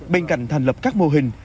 bên cạnh thành lập các mô hình